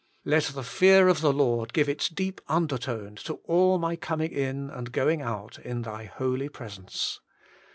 Let the fear of the Lord give its deep undertone to all my coming in and going out in Thy Holy Presence.